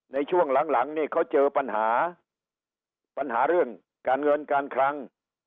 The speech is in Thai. ในช่วงหลังนี่เขาเจอปัญหาปัญหาเรื่องการเงินการคลัง